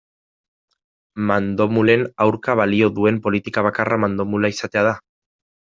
Mandomulen aurka balio duen politika bakarra mandomula izatea da?